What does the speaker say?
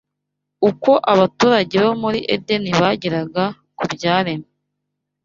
Uko abaturage bo muri Edeni bigiraga ku byaremwe